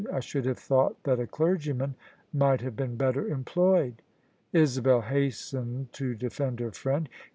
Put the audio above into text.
I should have thought that a clergyman might have been better employed." Isabel hastened to defend her friend.